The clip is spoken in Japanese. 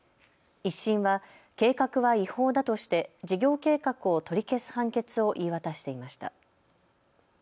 １審は計画は違法だとして事業計画を取り消す判決を言い渡していました。